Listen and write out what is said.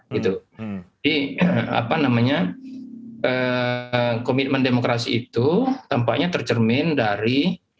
jadi apa namanya komitmen demokrasi itu tampaknya tercermin dari